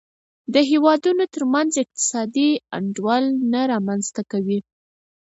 د هېوادونو ترمنځ اقتصادي انډول نه رامنځته کوي.